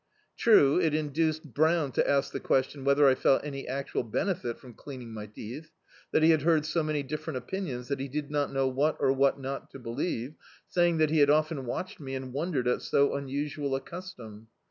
True it induced Brown to ask the question whether I felt any actual benefit from cleaning my teeth; that he had heard so many different opinions that he did not know what or what not to believe; saying that he had often watched me, and wondered at so unusual a custom.